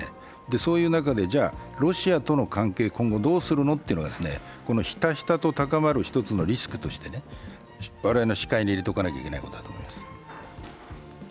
そういう中でロシアとの関係、今後どうするのというのが、ひたひたと高まる１つのリスクとして我々の視界に入れておかなきゃいけないと思います。